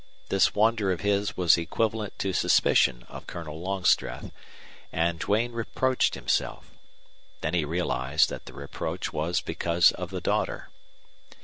This wonder of his was equivalent to suspicion of Colonel Longstreth, and Duane reproached himself. Then he realized that the reproach was because of the daughter.